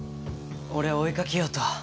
俺は追いかけようと。